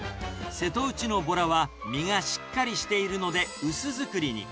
瀬戸内のボラは、身がしっかりしているので、薄造りに。